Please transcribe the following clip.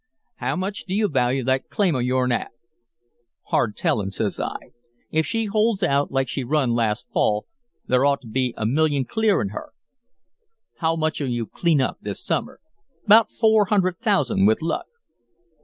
"'How much do you value that claim o' yourn at?' "'Hard tellin',' says I. 'If she holds out like she run last fall, there'd ought to be a million clear in her." "'How much'll you clean up this summer?' "''Bout four hundred thousand, with luck.'